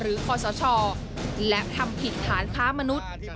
คอสชและทำผิดฐานค้ามนุษย์